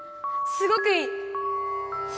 すごくいい！